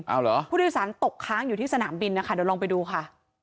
เอาเหรอผู้โดยสารตกค้างอยู่ที่สนามบินนะคะเดี๋ยวลองไปดูค่ะ